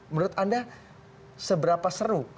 menurut anda seberapa seru